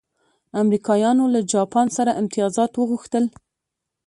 امریکایانو له جاپان څخه امتیازات وغوښتل.